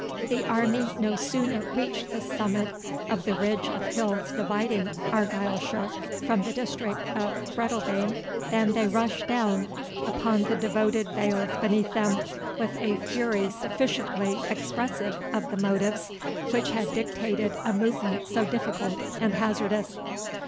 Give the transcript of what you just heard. The army no sooner reached the summit of the ridge of hills dividing Argyleshire from the district of Breadalbane, than they rushed down upon the devoted vales beneath them with a fury sufficiently expressive of the motives which had dictated a movement so difficult and hazardous.